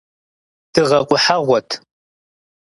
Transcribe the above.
Дыгъэ къухьэгъуэт…